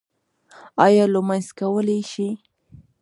ایا لمونځ کولی شئ؟